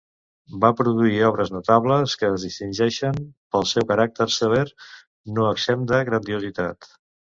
Va produir obres notables que es distingeixen pel seu caràcter sever, no exempt de grandiositat.